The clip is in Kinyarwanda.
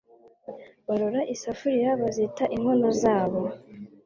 Barora isafuriya bazita inkono zabo